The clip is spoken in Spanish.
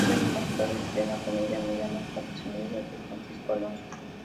Un año más tarde estrena con ella Me llaman la presumida, de Francisco Alonso.